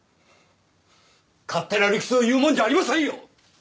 勝手な理屈を言うもんじゃありませんよ！